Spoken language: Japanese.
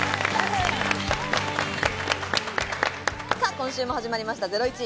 今週も始まりました『ゼロイチ』。